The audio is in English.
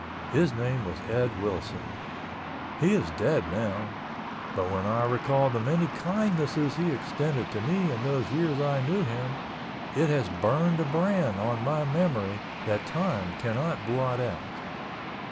His name was Ed Willson. He is dead now—but when I recall the many kindnesses he extended to me in those years I knew him, it has burned a brand on my memory that time cannot blot out.